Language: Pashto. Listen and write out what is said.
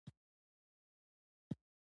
موږ لیدل چې یوه ډله بندیان زوړند کالي ول.